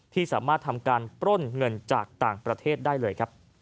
ที่สามารถทำการปล้นเงินจากต่างประเทศได้เลยครับ